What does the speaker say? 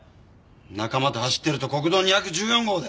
仲間と走ってると国道２１４号で。